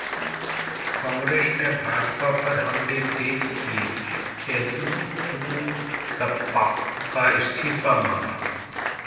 कांग्रेस ने भाजपा पर हमले तेज किये, येदियुरप्पा का इस्तीफा मांगा